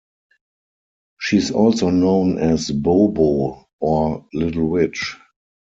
She's also known as 'Bo Bo' or 'Little Witch'.